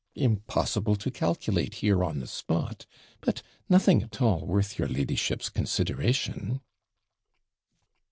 Impossible to calculate here on the spot! but nothing at all worth your ladyship's consideration!'